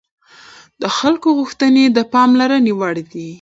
د خلکو غوښتنې د پاملرنې وړ دي